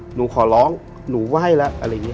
หนูขอร้องหนูไหว้แล้วอะไรอย่างนี้